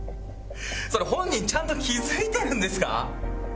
それ本人ちゃんと気付いてるんですか？